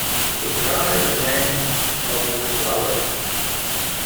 The dried remains of the flowers.